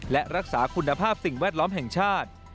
และรักษาคุณภาพสิ่งแวดล้อมแห่งชาติ